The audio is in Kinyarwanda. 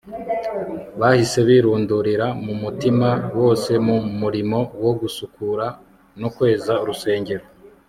bahise birundurira n'umutima wose mu murimo wo gusukura no kweza urusengero